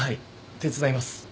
手伝います。